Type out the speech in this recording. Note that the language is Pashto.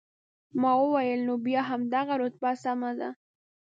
ما وویل، نو بیا همدغه رتبه سمه ده.